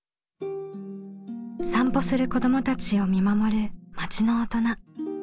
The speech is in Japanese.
散歩する子どもたちを見守る町の大人。